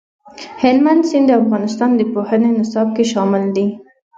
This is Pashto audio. هلمند سیند د افغانستان د پوهنې نصاب کې شامل دي.